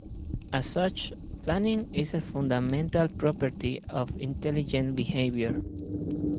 As such, planning is a fundamental property of intelligent behavior.